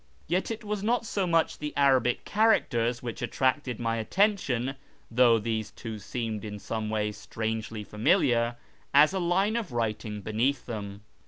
Yet it was not so much the Arabic characters which attracted my attention (though these too seemed in some way strangely familiar), as a line of writing beneath them.